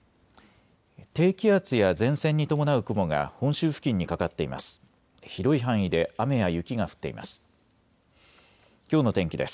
低気圧や前線に伴う雲が本州付近にかかっています。